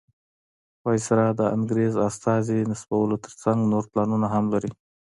وایسرا د انګریز استازي نصبولو تر څنګ نور پلانونه هم لري.